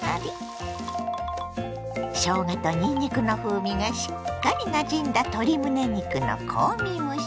しょうがとにんにくの風味がしっかりなじんだ鶏むね肉の香味蒸し。